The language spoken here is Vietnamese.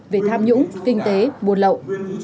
về tham nhũng kinh tế buôn lậu